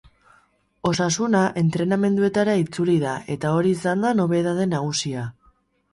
Osasuna entrenamenduetara itzuli da eta hori izan da nobedade nagusia.